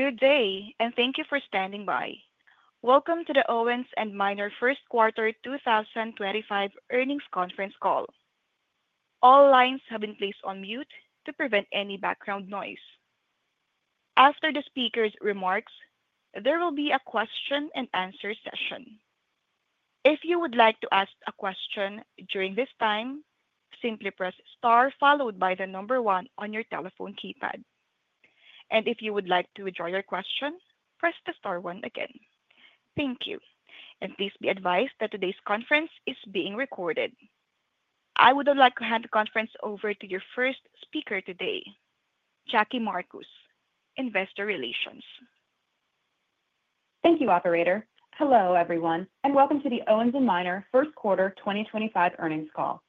Good day, and thank you for standing by. Welcome to the Owens & Minor First Quarter 2025 Earnings Conference Call. All lines have been placed on mute to prevent any background noise. After the speaker's remarks, there will be a question-and-answer session. If you would like to ask a question during this time, simply press star followed by the number one on your telephone keypad. If you would like to withdraw your question, press the star one again. Thank you. Please be advised that today's conference is being recorded. I would like to hand the conference over to your first speaker today, Jackie Marcus, Investor Relations. Thank you, Operator. Hello, everyone, and welcome to the Owens & Minor First Quarter 2025 Earnings Call.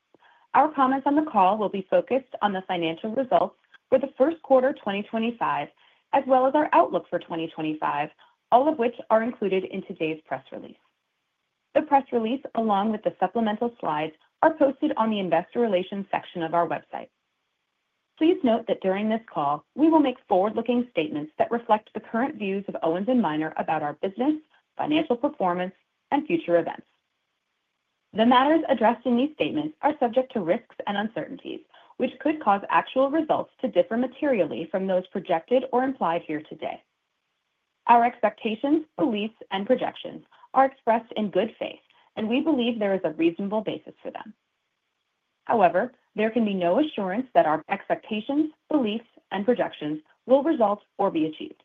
Our comments on the call will be focused on the financial results for the first quarter 2025, as well as our outlook for 2025, all of which are included in today's press release. The press release, along with the supplemental slides, are posted on the Investor Relations section of our website. Please note that during this call, we will make forward-looking statements that reflect the current views of Owens & Minor about our business, financial performance, and future events. The matters addressed in these statements are subject to risks and uncertainties, which could cause actual results to differ materially from those projected or implied here today. Our expectations, beliefs, and projections are expressed in good faith, and we believe there is a reasonable basis for them. However, there can be no assurance that our expectations, beliefs, and projections will result or be achieved.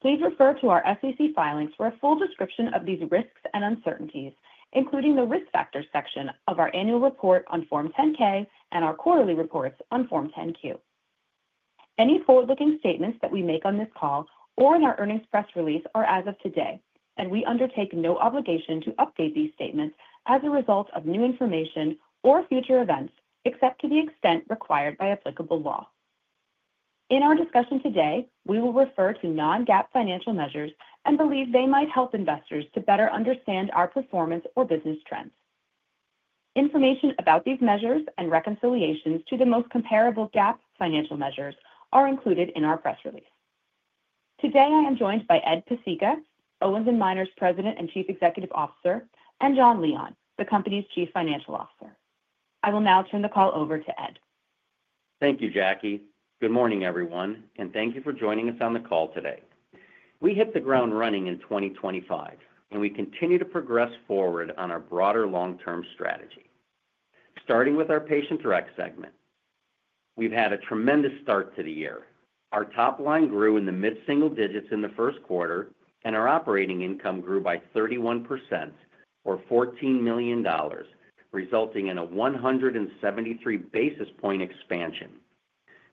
Please refer to our SEC filings for a full description of these risks and uncertainties, including the risk factors section of our annual report on Form 10-K and our quarterly reports on Form 10-Q. Any forward-looking statements that we make on this call or in our earnings press release are as of today, and we undertake no obligation to update these statements as a result of new information or future events, except to the extent required by applicable law. In our discussion today, we will refer to non-GAAP financial measures and believe they might help investors to better understand our performance or business trends. Information about these measures and reconciliations to the most comparable GAAP financial measures are included in our press release. Today, I am joined by Ed Pesicka, Owens & Minor's President and Chief Executive Officer, and Jon Leon, the company's Chief Financial Officer. I will now turn the call over to Ed. Thank you, Jackie. Good morning, everyone, and thank you for joining us on the call today. We hit the ground running in 2025, and we continue to progress forward on our broader long-term strategy, starting with our patient direct segment. We've had a tremendous start to the year. Our top line grew in the mid-single digits in the first quarter, and our operating income grew by 31%, or $14 million, resulting in a 173 basis point expansion.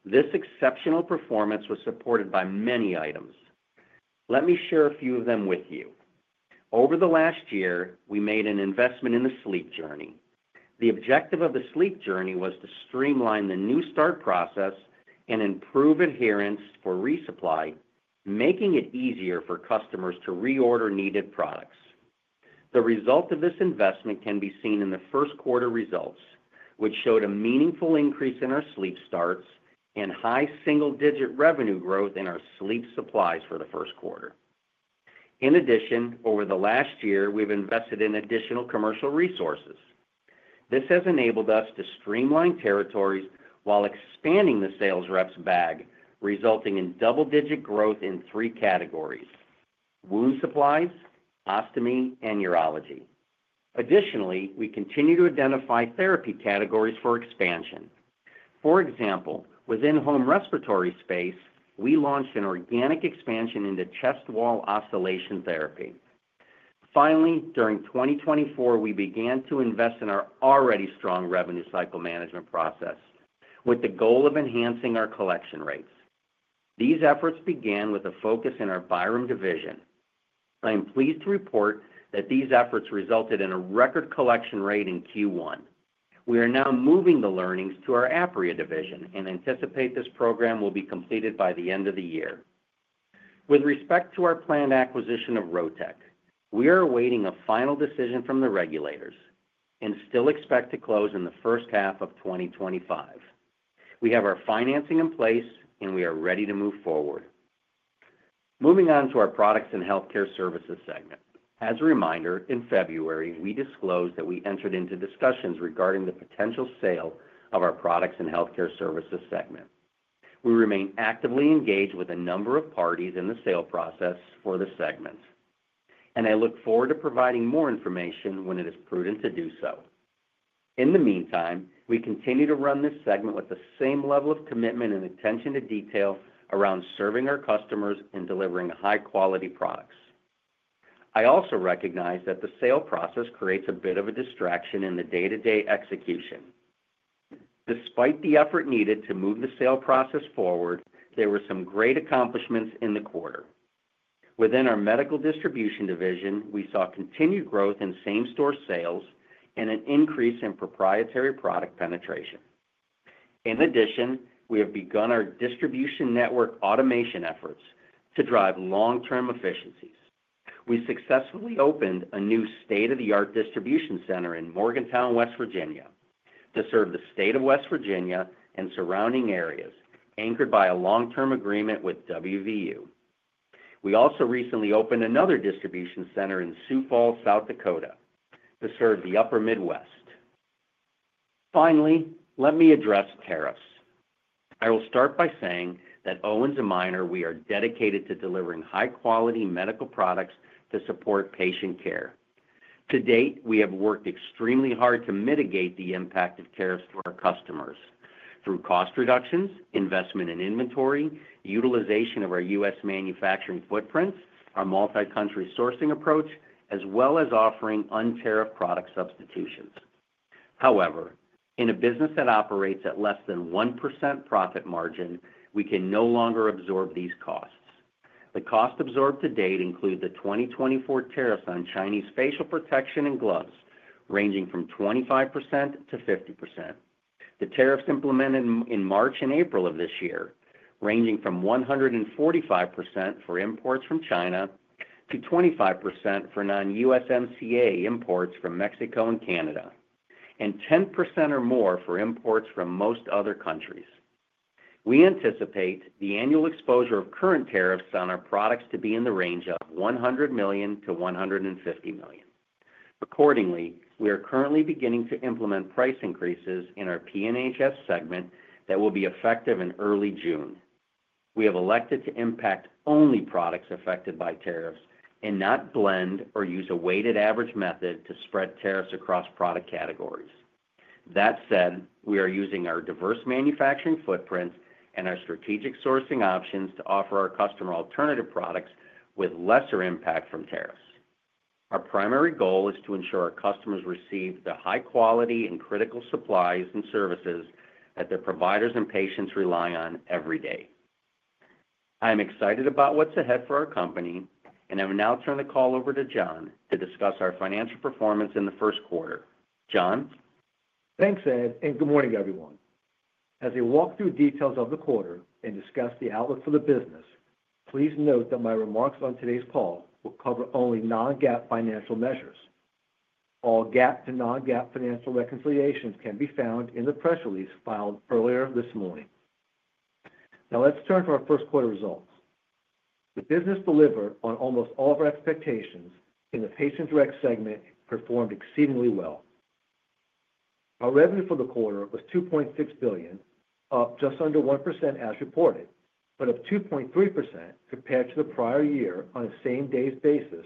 This exceptional performance was supported by many items. Let me share a few of them with you. Over the last year, we made an investment in the sleep journey. The objective of the sleep journey was to streamline the new start process and improve adherence for resupply, making it easier for customers to reorder needed products. The result of this investment can be seen in the first quarter results, which showed a meaningful increase in our sleep starts and high single-digit revenue growth in our sleep supplies for the first quarter. In addition, over the last year, we've invested in additional commercial resources. This has enabled us to streamline territories while expanding the sales rep's bag, resulting in double-digit growth in three categories: wound supplies, ostomy, and urology. Additionally, we continue to identify therapy categories for expansion. For example, within home respiratory space, we launched an organic expansion into chest wall oscillation therapy. Finally, during 2024, we began to invest in our already strong revenue cycle management process with the goal of enhancing our collection rates. These efforts began with a focus in our Byram division. I am pleased to report that these efforts resulted in a record collection rate in Q1. We are now moving the learnings to our Apria division and anticipate this program will be completed by the end of the year. With respect to our planned acquisition of Rotech, we are awaiting a final decision from the regulators and still expect to close in the first half of 2025. We have our financing in place, and we are ready to move forward. Moving on to our products and healthcare services segment. As a reminder, in February, we disclosed that we entered into discussions regarding the potential sale of our products and healthcare services segment. We remain actively engaged with a number of parties in the sale process for the segment, and I look forward to providing more information when it is prudent to do so. In the meantime, we continue to run this segment with the same level of commitment and attention to detail around serving our customers and delivering high-quality products. I also recognize that the sale process creates a bit of a distraction in the day-to-day execution. Despite the effort needed to move the sale process forward, there were some great accomplishments in the quarter. Within our medical distribution division, we saw continued growth in same-store sales and an increase in proprietary product penetration. In addition, we have begun our distribution network automation efforts to drive long-term efficiencies. We successfully opened a new state-of-the-art distribution center in Morgantown, West Virginia, to serve the state of West Virginia and surrounding areas, anchored by a long-term agreement with WVU. We also recently opened another distribution center in Sioux Falls, South Dakota, to serve the Upper Midwest. Finally, let me address tariffs. I will start by saying that at Owens & Minor, we are dedicated to delivering high-quality medical products to support patient care. To date, we have worked extremely hard to mitigate the impact of tariffs to our customers through cost reductions, investment in inventory, utilization of our U.S. manufacturing footprints, our multi-country sourcing approach, as well as offering untariffed product substitutions. However, in a business that operates at less than 1% profit margin, we can no longer absorb these costs. The costs absorbed to date include the 2024 tariffs on Chinese facial protection and gloves, ranging from 25%-50%. The tariffs implemented in March and April of this year ranged from 145% for imports from China to 25% for non-USMCA imports from Mexico and Canada, and 10% or more for imports from most other countries. We anticipate the annual exposure of current tariffs on our products to be in the range of $100 million-$150 million. Accordingly, we are currently beginning to implement price increases in our P&HS segment that will be effective in early June. We have elected to impact only products affected by tariffs and not blend or use a weighted average method to spread tariffs across product categories. That said, we are using our diverse manufacturing footprint and our strategic sourcing options to offer our customer alternative products with lesser impact from tariffs. Our primary goal is to ensure our customers receive the high-quality and critical supplies and services that their providers and patients rely on every day. I am excited about what's ahead for our company, and I will now turn the call over to Jon to discuss our financial performance in the first quarter. Jon? Thanks, Ed, and good morning, everyone. As we walk through details of the quarter and discuss the outlook for the business, please note that my remarks on today's call will cover only non-GAAP financial measures. All GAAP to non-GAAP financial reconciliations can be found in the press release filed earlier this morning. Now, let's turn to our first quarter results. The business delivered on almost all of our expectations in the patient direct segment and performed exceedingly well. Our revenue for the quarter was $2.6 billion, up just under 1% as reported, but up 2.3% compared to the prior year on the same day's basis,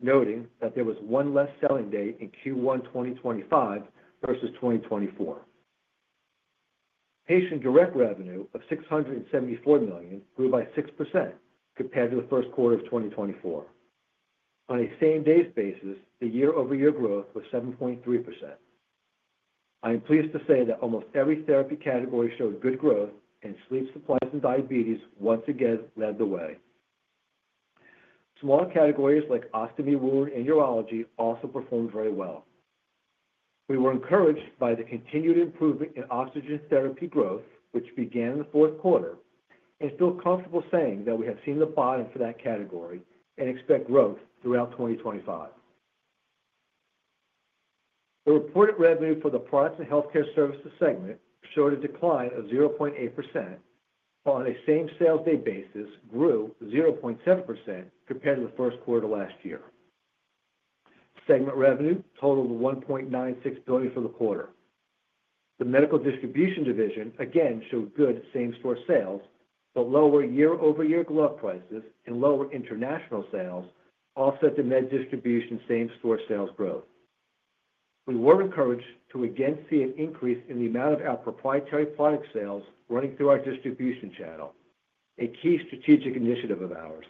noting that there was one less selling day in Q1 2025 versus 2024. Patient direct revenue of $674 million grew by 6% compared to the first quarter of 2024. On a same-day basis, the year-over-year growth was 7.3%. I am pleased to say that almost every therapy category showed good growth, and sleep supplies and diabetes once again led the way. Small categories like ostomy, wound, and urology also performed very well. We were encouraged by the continued improvement in oxygen therapy growth, which began in the fourth quarter, and feel comfortable saying that we have seen the bottom for that category and expect growth throughout 2025. The reported revenue for the products and healthcare services segment showed a decline of 0.8%, but on a same sales day basis, grew 0.10% compared to the first quarter of last year. Segment revenue totaled $1.96 billion for the quarter. The medical distribution division again showed good same-store sales, but lower year-over-year glove prices and lower international sales offset the med distribution same-store sales growth. We were encouraged to again see an increase in the amount of our proprietary product sales running through our distribution channel, a key strategic initiative of ours.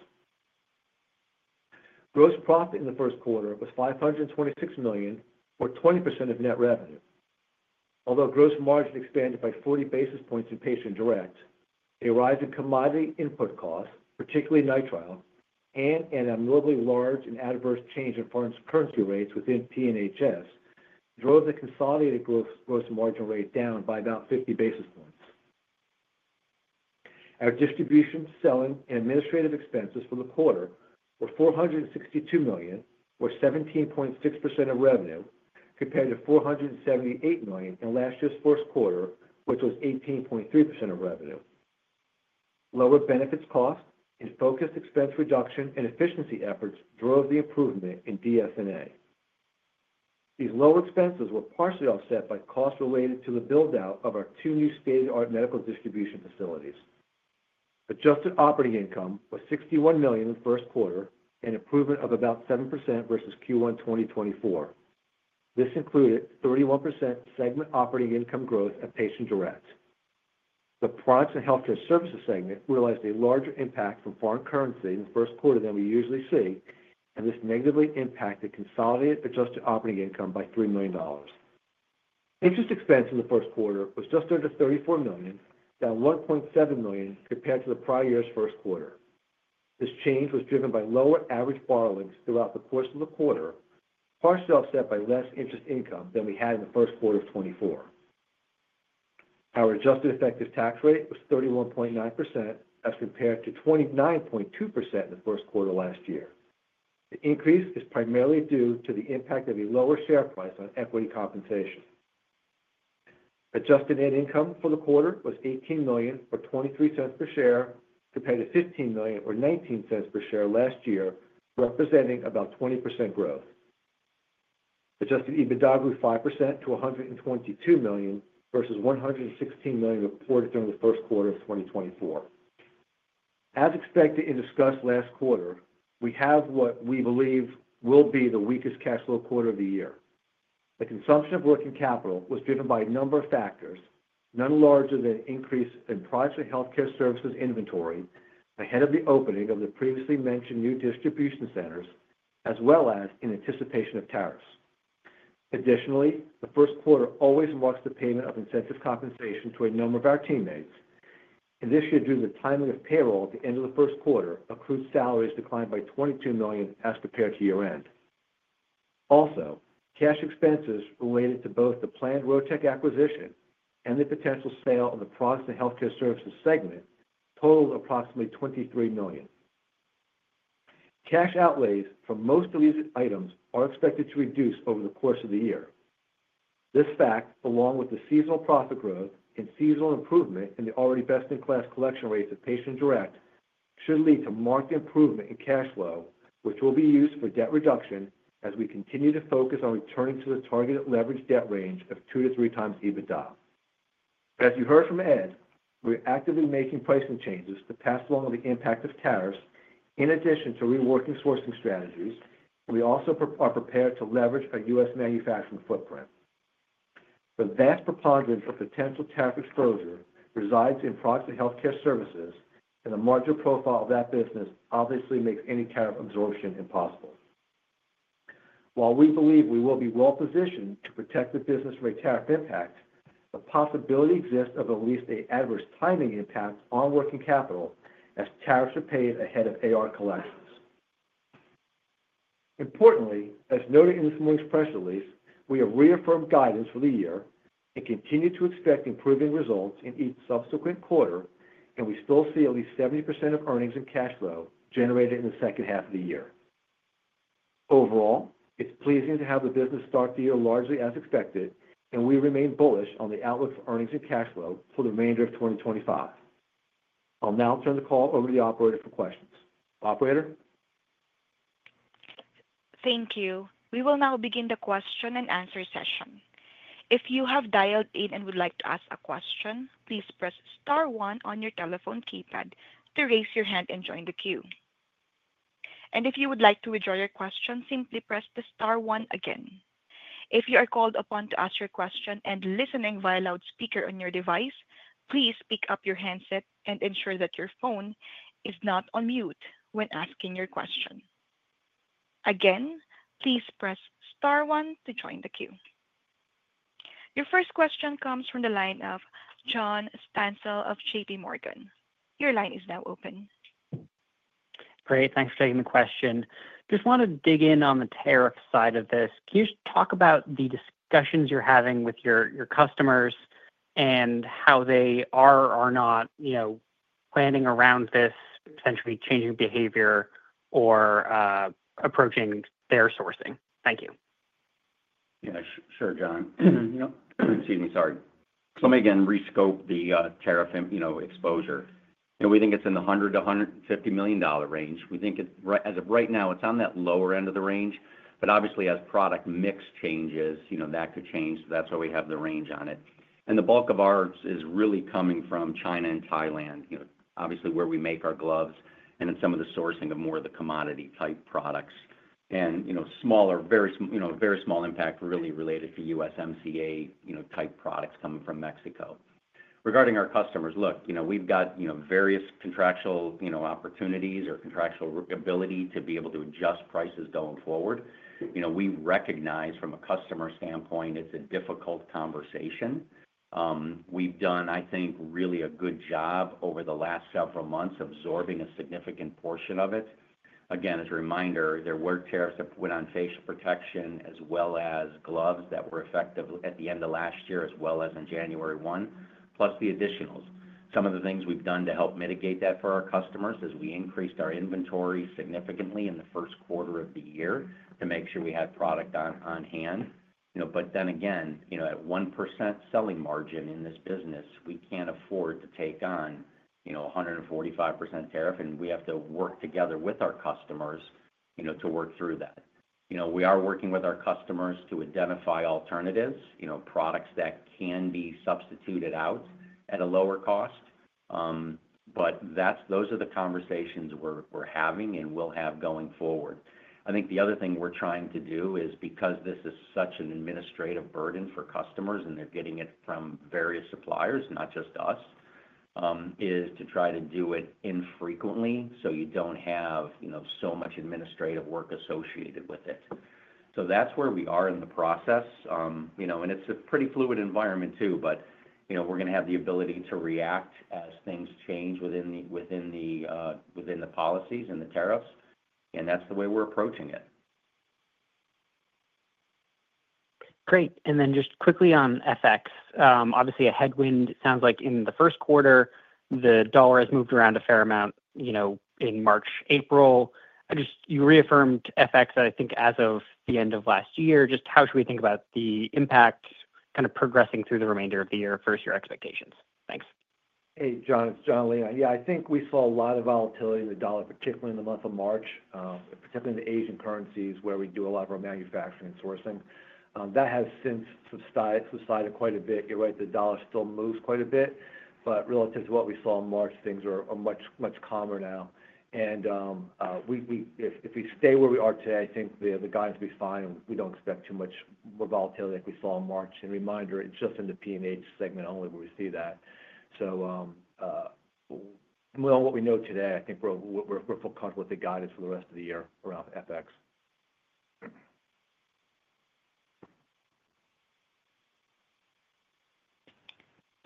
Gross profit in the first quarter was $526 million, or 20% of net revenue. Although gross margin expanded by 40 basis points in patient direct, a rise in commodity input costs, particularly nitrile, and an unbelievably large and adverse change in foreign currency rates within P&HS drove the consolidated gross margin rate down by about 50 basis points. Our distribution, selling, and administrative expenses for the quarter were $462 million, or 17.6% of revenue, compared to $478 million in last year's fourth quarter, which was 18.3% of revenue. Lower benefits costs and focused expense reduction and efficiency efforts drove the improvement in DS&A. These lower expenses were partially offset by costs related to the buildout of our two new state-of-the-art medical distribution facilities. Adjusted operating income was $61 million in the first quarter, an improvement of about 7% versus Q1 2024. This included 31% segment operating income growth at patient direct. The products and healthcare services segment realized a larger impact from foreign currency in the first quarter than we usually see, and this negatively impacted consolidated adjusted operating income by $3 million. Interest expense in the first quarter was just under $34 million, down $1.7 million compared to the prior year's first quarter. This change was driven by lower average borrowings throughout the course of the quarter, partially offset by less interest income than we had in the first quarter of 2024. Our adjusted effective tax rate was 31.9% as compared to 29.2% in the first quarter last year. The increase is primarily due to the impact of a lower share price on equity compensation. Adjusted net income for the quarter was $18 million or $0.23 per share compared to $15 million or $0.19 per share last year, representing about 20% growth. Adjusted EBITDA grew 5% to $122 million versus $116 million reported during the first quarter of 2024. As expected and discussed last quarter, we have what we believe will be the weakest cash flow quarter of the year. The consumption of working capital was driven by a number of factors, none larger than an increase in products and healthcare services inventory ahead of the opening of the previously mentioned new distribution centers, as well as in anticipation of tariffs. Additionally, the first quarter always marks the payment of incentive compensation to a number of our teammates. This year, due to the timing of payroll at the end of the first quarter, accrued salaries declined by $22 million as compared to year-end. Also, cash expenses related to both the planned Rotech acquisition and the potential sale of the products and healthcare services segment totaled approximately $23 million. Cash outlays for most of these items are expected to reduce over the course of the year. This fact, along with the seasonal profit growth and seasonal improvement in the already best-in-class collection rates of patient direct, should lead to marked improvement in cash flow, which will be used for debt reduction as we continue to focus on returning to the targeted leverage debt range of two to three times EBITDA. As you heard from Ed, we're actively making pricing changes to pass along the impact of tariffs in addition to reworking sourcing strategies, and we also are prepared to leverage our U.S. manufacturing footprint. The vast preponderance of potential tariff exposure resides in products and healthcare services, and the margin profile of that business obviously makes any tariff absorption impossible. While we believe we will be well-positioned to protect the business from a tariff impact, the possibility exists of at least an adverse timing impact on working capital as tariffs are paid ahead of AR collections. Importantly, as noted in this morning's press release, we have reaffirmed guidance for the year and continue to expect improving results in each subsequent quarter, and we still see at least 70% of earnings and cash flow generated in the second half of the year. Overall, it's pleasing to have the business start the year largely as expected, and we remain bullish on the outlook for earnings and cash flow for the remainder of 2025. I'll now turn the call over to the operator for questions. Operator? Thank you. We will now begin the question-and-answer session. If you have dialed in and would like to ask a question, please press star one on your telephone keypad to raise your hand and join the queue. If you would like to withdraw your question, simply press the star one again. If you are called upon to ask your question and listening via loudspeaker on your device, please pick up your handset and ensure that your phone is not on mute when asking your question. Again, please press star one to join the queue. Your first question comes from the line of John Stansel of JP Morgan. Your line is now open. Great. Thanks for taking the question. Just want to dig in on the tariff side of this. Can you talk about the discussions you're having with your customers and how they are or are not planning around this, potentially changing behavior or approaching their sourcing? Thank you. Yeah, sure, John. Excuse me. Sorry. Let me again re-scope the tariff exposure. We think it's in the $100-$150 million range. We think as of right now, it's on that lower end of the range, but obviously, as product mix changes, that could change. That's why we have the range on it. The bulk of ours is really coming from China and Thailand, obviously, where we make our gloves and in some of the sourcing of more of the commodity-type products and smaller, very small impact really related to USMCA-type products coming from Mexico. Regarding our customers, look, we've got various contractual opportunities or contractual ability to be able to adjust prices going forward. We recognize from a customer standpoint, it's a difficult conversation. We've done, I think, really a good job over the last several months absorbing a significant portion of it. Again, as a reminder, there were tariffs that went on facial protection as well as gloves that were effective at the end of last year as well as on January 1, plus the additionals. Some of the things we've done to help mitigate that for our customers is we increased our inventory significantly in the first quarter of the year to make sure we had product on hand. At 1% selling margin in this business, we can't afford to take on 145% tariff, and we have to work together with our customers to work through that. We are working with our customers to identify alternatives, products that can be substituted out at a lower cost, but those are the conversations we're having and will have going forward. I think the other thing we're trying to do is, because this is such an administrative burden for customers and they're getting it from various suppliers, not just us, is to try to do it infrequently so you don't have so much administrative work associated with it. That's where we are in the process. It's a pretty fluid environment too, but we're going to have the ability to react as things change within the policies and the tariffs, and that's the way we're approaching it. Great. And then just quickly on FX, obviously a headwind. It sounds like in the first quarter, the dollar has moved around a fair amount in March, April. You reaffirmed FX, I think, as of the end of last year. Just how should we think about the impact kind of progressing through the remainder of the year versus your expectations? Thanks. Hey, John. It's Jon Leon. Yeah, I think we saw a lot of volatility in the dollar, particularly in the month of March, particularly in the Asian currencies where we do a lot of our manufacturing and sourcing. That has since subsided quite a bit. You're right, the dollar still moves quite a bit, but relative to what we saw in March, things are much calmer now. If we stay where we are today, I think the guidance will be fine. We don't expect too much volatility like we saw in March. Reminder, it's just in the P&HS segment only where we see that. What we know today, I think we're fully comfortable with the guidance for the rest of the year around FX.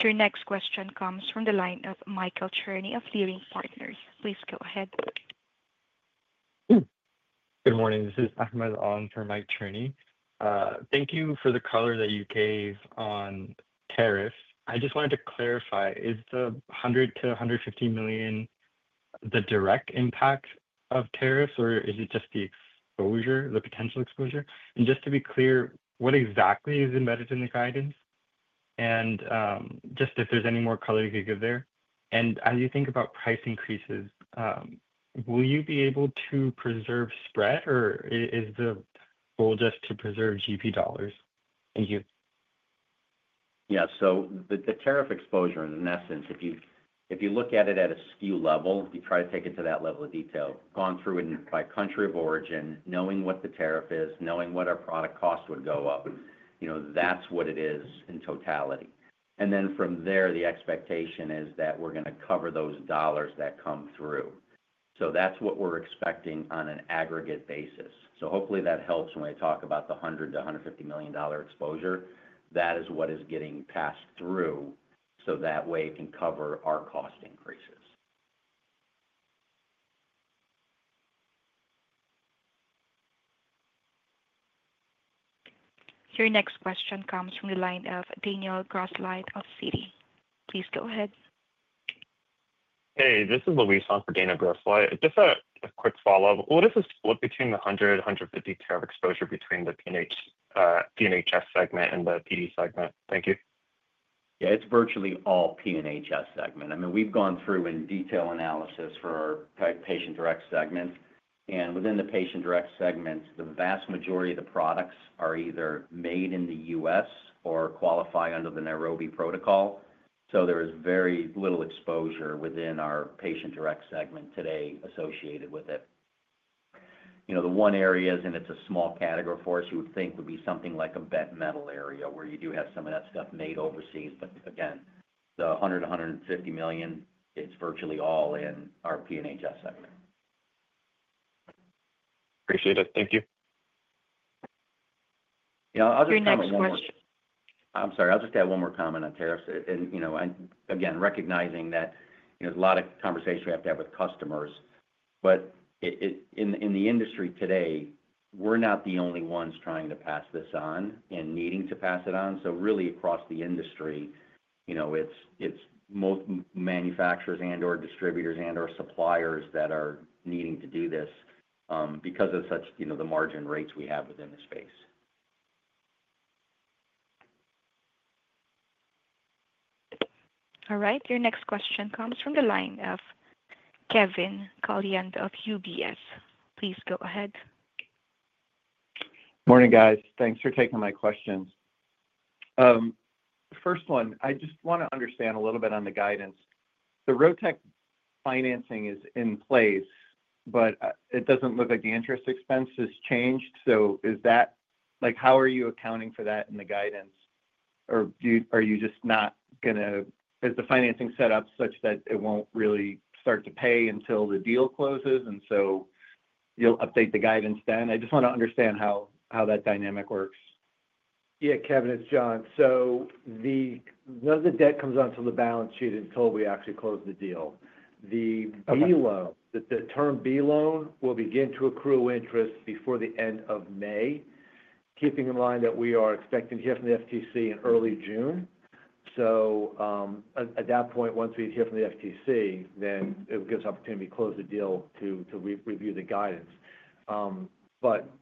Your next question comes from the line of Michael Cherny of Leerink Partners. Please go ahead. Good morning. This is Ahmed on for Mike Cherny. Thank you for the color that you gave on tariffs. I just wanted to clarify, is the $100-$150 million the direct impact of tariffs, or is it just the exposure, the potential exposure? Just to be clear, what exactly is embedded in the guidance? If there's any more color you could give there. As you think about price increases, will you be able to preserve spread, or is the goal just to preserve GP dollars? Thank you. Yeah. So the tariff exposure, in essence, if you look at it at a SKU level, you try to take it to that level of detail, gone through it by country of origin, knowing what the tariff is, knowing what our product cost would go up, that's what it is in totality. Then from there, the expectation is that we're going to cover those dollars that come through. That's what we're expecting on an aggregate basis. Hopefully that helps when we talk about the $100-$150 million exposure. That is what is getting passed through so that way it can cover our cost increases. Your next question comes from the line of Daniel Grosslight of Citi. Please go ahead. Hey, this is Luis for Daniel Grosslight. Just a quick follow-up. What is the split between the $100-$150 million tariff exposure between the P&HS segment and the PD segment? Thank you. Yeah, it's virtually all P&HS segment. I mean, we've gone through in detail analysis for our patient direct segments. And within the patient direct segments, the vast majority of the products are either made in the U.S. or qualify under the Nairobi Protocol. So there is very little exposure within our patient direct segment today associated with it. The one area, and it's a small category for us, you would think would be something like a bent metal area where you do have some of that stuff made overseas. But again, the $100-$150 million, it's virtually all in our P&HS segment. Appreciate it. Thank you. Yeah. Your next question. I'm sorry. I'll just add one more comment on tariffs. Again, recognizing that there's a lot of conversation we have to have with customers. In the industry today, we're not the only ones trying to pass this on and needing to pass it on. Really, across the industry, it's both manufacturers and/or distributors and/or suppliers that are needing to do this because of the margin rates we have within the space. All right. Your next question comes from the line of Kevin Caliendo of UBS. Please go ahead. Morning, guys. Thanks for taking my questions. First one, I just want to understand a little bit on the guidance. The Rotech financing is in place, but it doesn't look like the interest expense has changed. How are you accounting for that in the guidance? Is the financing set up such that it won't really start to pay until the deal closes? You'll update the guidance then? I just want to understand how that dynamic works. Yeah, Kevin, it's Jon. None of the debt comes onto the balance sheet until we actually close the deal. The term B-loan will begin to accrue interest before the end of May, keeping in mind that we are expecting to hear from the FTC in early June. At that point, once we hear from the FTC, it gives us an opportunity to close the deal to review the guidance.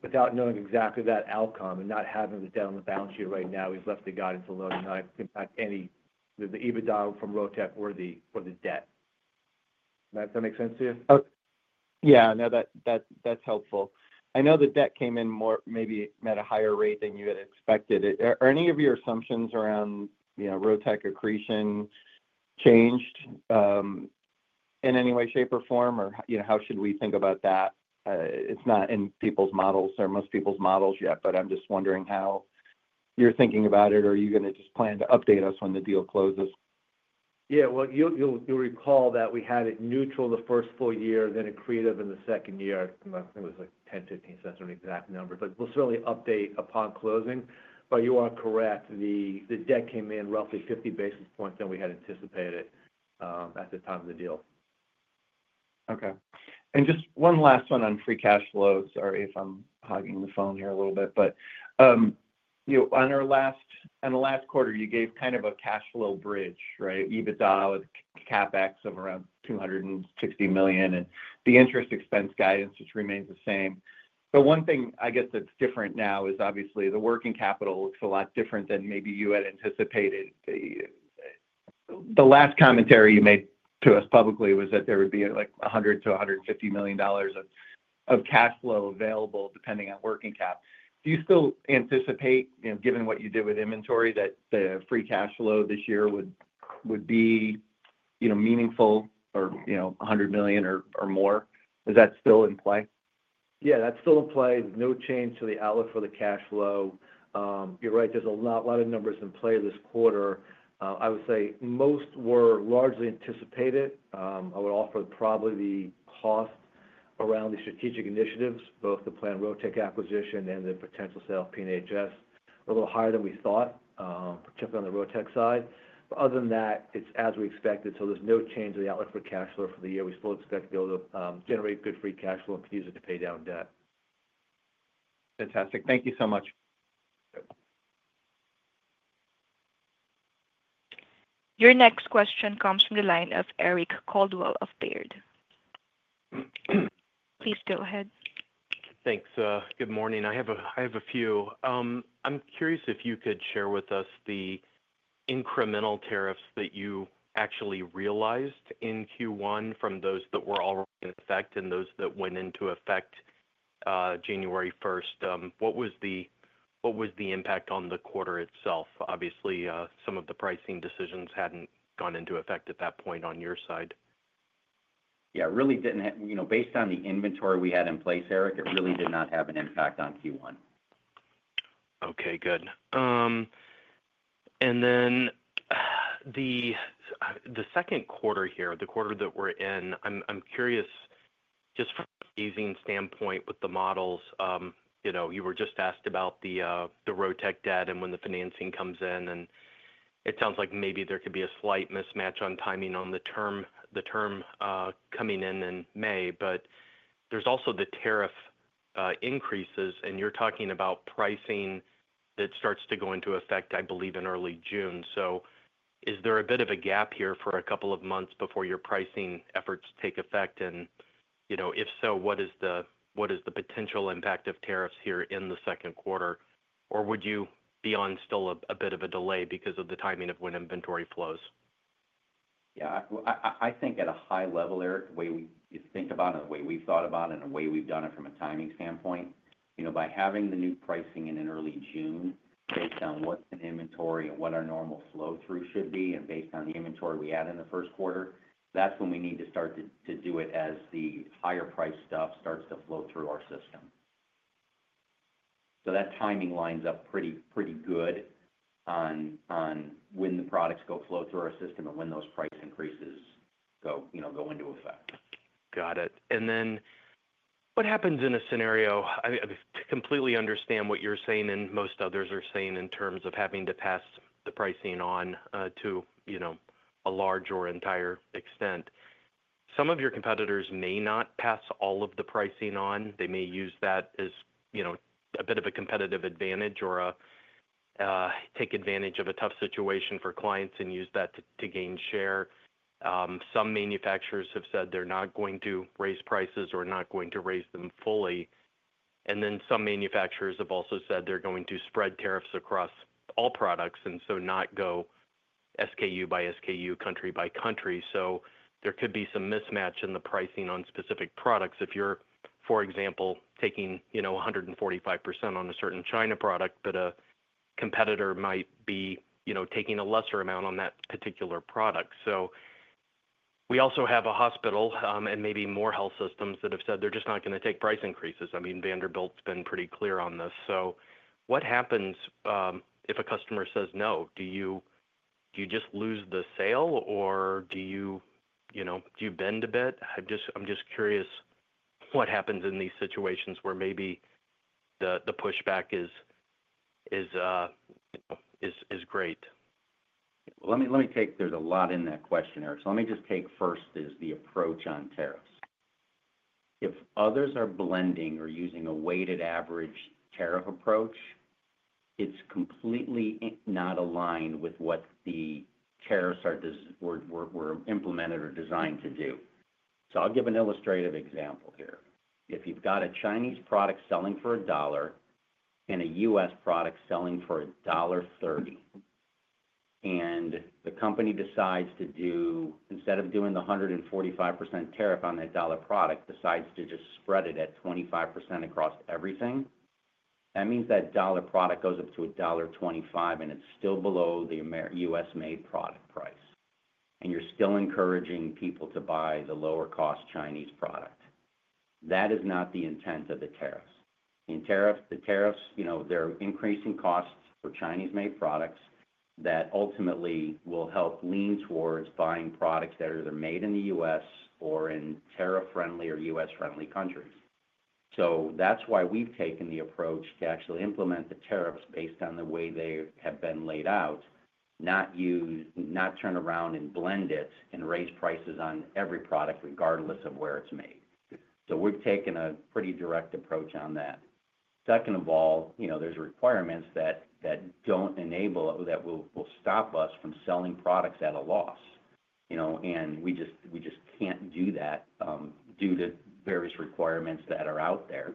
Without knowing exactly that outcome and not having the debt on the balance sheet right now, we've left the guidance alone and not impact any of the EBITDA from Rotech or the debt. Does that make sense to you? Yeah. No, that's helpful. I know the debt came in maybe at a higher rate than you had expected. Are any of your assumptions around Rotech accretion changed in any way, shape, or form? Or how should we think about that? It's not in most people's models yet, but I'm just wondering how you're thinking about it. Are you going to just plan to update us when the deal closes? Yeah. You will recall that we had it neutral the first full year, then accretive in the second year. I think it was like $0.10, $0.15 or an exact number, but we will certainly update upon closing. You are correct. The debt came in roughly 50 basis points than we had anticipated at the time of the deal. Okay. Just one last one on free cash flow. Sorry if I'm hogging the phone here a little bit. On the last quarter, you gave kind of a cash flow bridge, right? EBITDA with CapEx of around $260 million and the interest expense guidance, which remains the same. One thing I guess that's different now is obviously the working capital looks a lot different than maybe you had anticipated. The last commentary you made to us publicly was that there would be like $100-$150 million of cash flow available depending on working cap. Do you still anticipate, given what you did with inventory, that the free cash flow this year would be meaningful or $100 million or more? Is that still in play? Yeah, that's still in play. No change to the outlook for the cash flow. You're right. There's a lot of numbers in play this quarter. I would say most were largely anticipated. I would offer probably the cost around the strategic initiatives, both the planned Rotech acquisition and the potential sale of P&HS, a little higher than we thought, particularly on the Rotech side. Other than that, it's as we expected. There's no change in the outlook for cash flow for the year. We still expect to be able to generate good free cash flow and use it to pay down debt. Fantastic. Thank you so much. Your next question comes from the line of Eric Coldwell of Baird. Please go ahead. Thanks. Good morning. I have a few. I'm curious if you could share with us the incremental tariffs that you actually realized in Q1 from those that were already in effect and those that went into effect January 1st. What was the impact on the quarter itself? Obviously, some of the pricing decisions hadn't gone into effect at that point on your side. Yeah, it really didn't. Based on the inventory we had in place, Eric, it really did not have an impact on Q1. Okay. Good. Then the second quarter here, the quarter that we're in, I'm curious just from a phasing standpoint with the models. You were just asked about the Rotech debt and when the financing comes in. It sounds like maybe there could be a slight mismatch on timing on the term coming in in May. There's also the tariff increases, and you're talking about pricing that starts to go into effect, I believe, in early June. Is there a bit of a gap here for a couple of months before your pricing efforts take effect? If so, what is the potential impact of tariffs here in the second quarter? Would you be on still a bit of a delay because of the timing of when inventory flows? Yeah. I think at a high level, Eric, the way we think about it and the way we've thought about it and the way we've done it from a timing standpoint, by having the new pricing in early June, based on what's in inventory and what our normal flow-through should be and based on the inventory we had in the first quarter, that's when we need to start to do it as the higher-priced stuff starts to flow through our system. That timing lines up pretty good on when the products go flow through our system and when those price increases go into effect. Got it. In a scenario—I completely understand what you're saying and most others are saying in terms of having to pass the pricing on to a large or entire extent—some of your competitors may not pass all of the pricing on. They may use that as a bit of a competitive advantage or take advantage of a tough situation for clients and use that to gain share. Some manufacturers have said they're not going to raise prices or not going to raise them fully. Some manufacturers have also said they're going to spread tariffs across all products and not go SKU by SKU, country by country. There could be some mismatch in the pricing on specific products. If you're, for example, taking 145% on a certain China product, but a competitor might be taking a lesser amount on that particular product. We also have a hospital and maybe more health systems that have said they're just not going to take price increases. I mean, Vanderbilt's been pretty clear on this. What happens if a customer says no? Do you just lose the sale, or do you bend a bit? I'm just curious what happens in these situations where maybe the pushback is great. Let me take—there's a lot in that question, Eric. Let me just take first is the approach on tariffs. If others are blending or using a weighted average tariff approach, it's completely not aligned with what the tariffs were implemented or designed to do. I'll give an illustrative example here. If you've got a Chinese product selling for a dollar and a U.S. product selling for $ 1.30, and the company decides to do—instead of doing the 145% tariff on that dollar product—decides to just spread it at 25% across everything, that means that dollar product goes up to a dollar 25, and it's still below the U.S.-made product price. You're still encouraging people to buy the lower-cost Chinese product. That is not the intent of the tariffs. In tariffs, there are increasing costs for Chinese-made products that ultimately will help lean towards buying products that are either made in the U.S. or in tariff-friendly or U.S.-friendly countries. That is why we have taken the approach to actually implement the tariffs based on the way they have been laid out, not turn around and blend it and raise prices on every product regardless of where it is made. We have taken a pretty direct approach on that. Second of all, there are requirements that do not enable or that will stop us from selling products at a loss. We just cannot do that due to various requirements that are out there.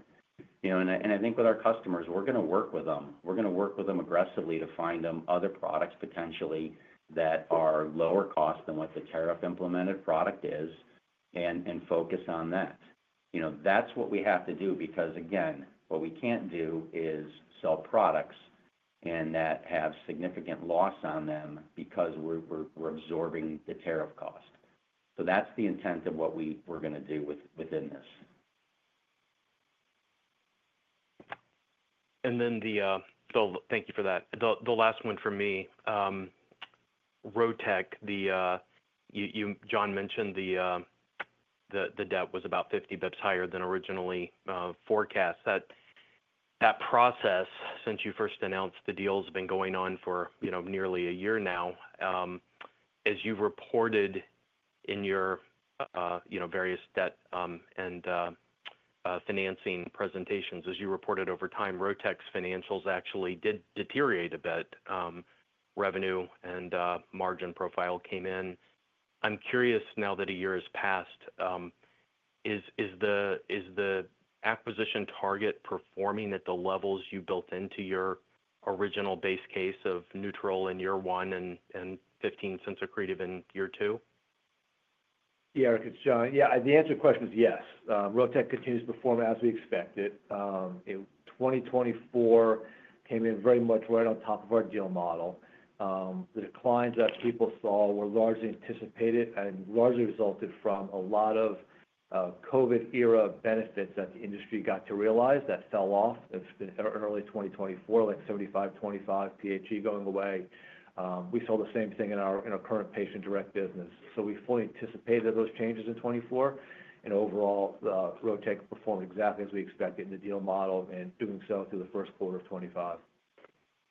I think with our customers, we are going to work with them. We are going to work with them aggressively to find them other products potentially that are lower cost than what the tariff-implemented product is and focus on that. That's what we have to do because, again, what we can't do is sell products that have significant loss on them because we're absorbing the tariff cost. That's the intent of what we're going to do within this. Thank you for that. The last one for me, Rotech, Jon mentioned the debt was about 50 basis points higher than originally forecast. That process, since you first announced the deal, has been going on for nearly a year now. As you've reported in your various debt and financing presentations, as you reported over time, Rotech's financials actually did deteriorate a bit. Revenue and margin profile came in. I'm curious now that a year has passed, is the acquisition target performing at the levels you built into your original base case of neutral in year one and $0.15 accretive in year two? Yeah, Eric, it's Jon. Yeah, the answer to the question is yes. Rotech continues to perform as we expected. 2024 came in very much right on top of our deal model. The declines that people saw were largely anticipated and largely resulted from a lot of COVID-era benefits that the industry got to realize that fell off in early 2024, like 75/25 P/E going away. We saw the same thing in our current patient-direct business. We fully anticipated those changes in 2024. Overall, Rotech performed exactly as we expected in the deal model and doing so through the first quarter of 2025.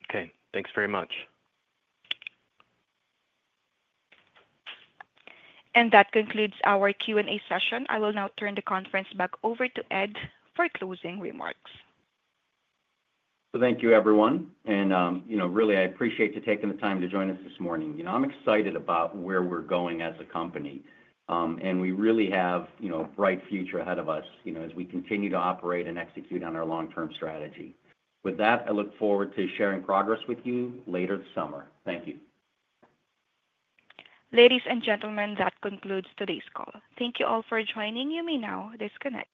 Okay. Thanks very much. That concludes our Q&A session. I will now turn the conference back over to Ed for closing remarks. Thank you, everyone. I appreciate you taking the time to join us this morning. I'm excited about where we're going as a company. We really have a bright future ahead of us as we continue to operate and execute on our long-term strategy. With that, I look forward to sharing progress with you later this summer. Thank you. Ladies and gentlemen, that concludes today's call. Thank you all for joining. You may now disconnect.